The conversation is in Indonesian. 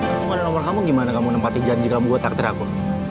kalau gak ada nomor kamu gimana kamu nempati janji kamu buat takdir aku